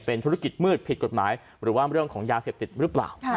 ธุรกิจมืดผิดกฎหมายหรือว่าเรื่องของยาเสพติดหรือเปล่า